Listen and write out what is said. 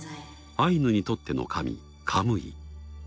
アイヌにとっての神カムイ。